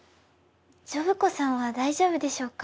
ジョブ子さんは大丈夫でしょうか。